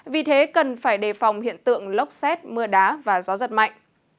vì thế cần phải đề phòng hiện tượng lốc xét mưa đá và gió giật mạnh